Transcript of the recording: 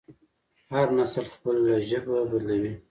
هر نسل خپله ژبه بدلوي.